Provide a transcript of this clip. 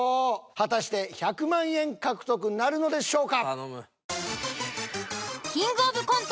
果たして１００万円獲得なるのでしょうか？